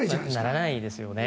ならないですよね。